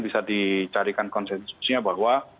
bisa dicarikan konsensusnya bahwa